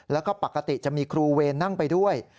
แล้วก็ปกติจะมีครูเวรนั่งไปด้วย